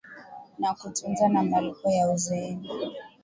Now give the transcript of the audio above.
na kutunza na malipo ya uzeeni